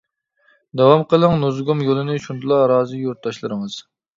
داۋام قىلىڭ نۇزۇگۇم يولىنى، شۇندىلا رازى يۇرتداشلىرىڭىز.